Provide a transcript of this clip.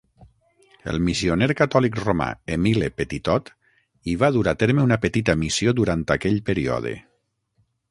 El missioner catòlic romà Emile Petitot hi va dur a terme una petita missió durant aquell període.